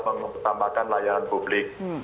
mengetambahkan layanan publik